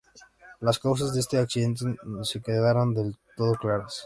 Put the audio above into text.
Las causas de este accidente no quedaron del todo claras.